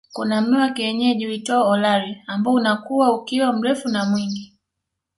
Kuna mmea wa kienyeji uitwao Olari ambao unakua ukiwa mrefu na mwingi